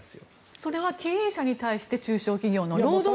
それは経営者に対して中小企業の。